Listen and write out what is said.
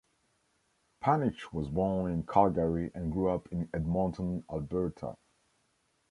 Panych was born in Calgary and grew up in Edmonton, Alberta.